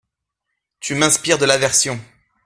Tu m’inspires de l’aversion !